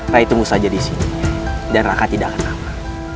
rai tunggu saja di sini dan raka tidak akan aman